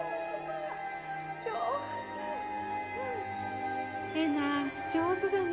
上手えな上手だね